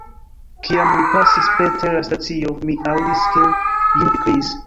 Kiam ni pasis preter la stacio, mi aŭdis, ke Jim ekkriis.